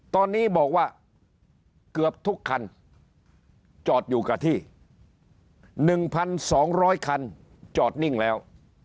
ตอนนี้บอกว่าเกือบทุกคันจอดอยู่กับที่๑๒๐๐คันจอดนิ่งแล้ว